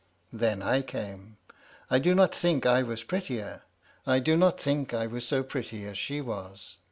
Then I came. I do not think I was prettier; I do not think I was so pretty as she was.